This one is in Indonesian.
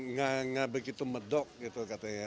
nggak begitu medok gitu katanya